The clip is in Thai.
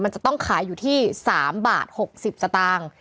มันจะต้องขายอยู่ที่๓บาท๖๐สตางค์